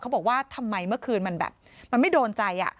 บอกว่าทำไมเมื่อคืนมันแบบมันไม่โดนใจ